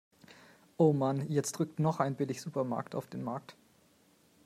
Oh Mann, jetzt drückt noch ein Billigsupermarkt auf den Markt.